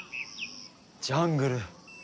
ジャングル。